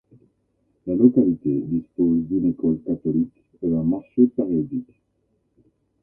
La localité dispose d'une école catholique et d'un marché périodique.